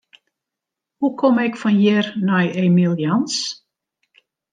Hoe kom ik fan hjir nei Emiel Jans?